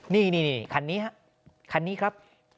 นี่คันนี้ครับ